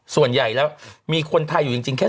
ส่วนใหญ่แล้วมีคนไทยอยู่จริงแค่